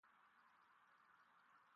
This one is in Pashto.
د باغ بابر ارام ځای د تاریخ ژوندۍ پاڼه ده.